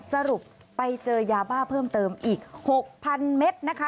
สรุปไปเจอยาบ้าเพิ่มเติมอีก๖๐๐๐เมตรนะคะ